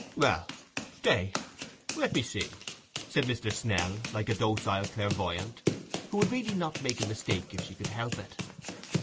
"Well—stay—let me see," said Mr. Snell, like a docile clairvoyante, who would really not make a mistake if she could help it.